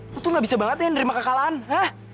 lu tuh nggak bisa banget ya nerima kekalahan hah